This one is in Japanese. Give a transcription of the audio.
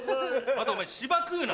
あとお前芝食うな。